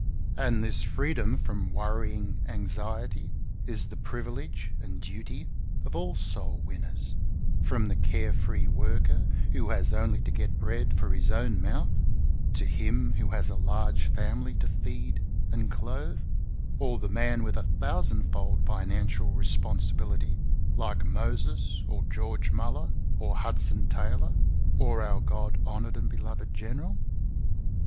And this freedom from worrying anxiety is the privilege and duty of all soul winners, from the care free worker who has only to get bread for his own mouth, to him who has a large family to feed and clothe, or the man with a thousand fold financial responsibility like Moses, or George Muller, or Hudson Taylor, or our God honored and beloved General.